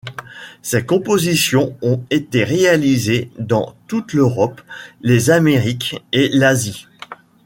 Ses compositions ont été réalisées dans toute l'Europe, les Amériques et l'Asie.